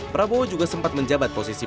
prabowo juga sempat menjabat posisi